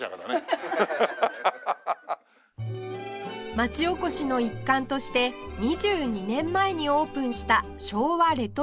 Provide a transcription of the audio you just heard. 町おこしの一環として２２年前にオープンした昭和レトロ商品博物館